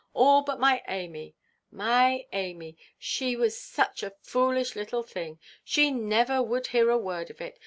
All but my Amy, my Amy; she was such a foolish little thing, she never would hear a word of it.